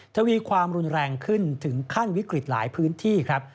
ทวีความรุนแรงขึ้นถึงขั้นวิกฤตหลายพื้นที่ครับ